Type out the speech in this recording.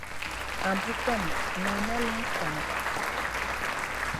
Abu kana, Neena lahi kana.